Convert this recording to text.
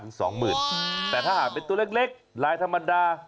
แต่ถ้าหากเป็นตัวเล็กลายธรรมดา